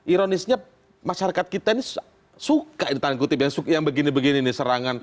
ironisnya masyarakat kita ini suka yang begini begini nih serangan